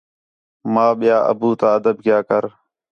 ماں ٻیا ابو تا ادب کیا کر